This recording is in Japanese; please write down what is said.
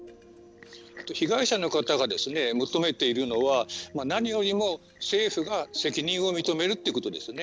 被害者の方が求めているのは何よりも、政府が責任を認めるということですね。